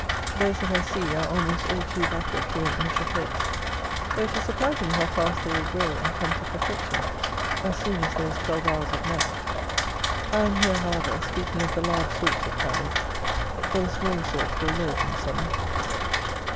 Those that I see are almost all too backward to make much of heads; though it is surprising how fast they will grow and come to perfection as soon as there is twelve hours of night. I am here, however, speaking of the large sorts of cabbage; for the smaller sorts will loave in summer.